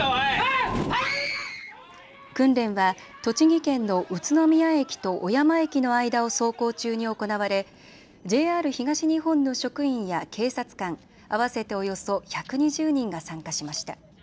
訓練は栃木県の宇都宮駅と小山駅の間を走行中に行われＪＲ東日本の職員や警察官合わせておよそ１２０人が参加しました。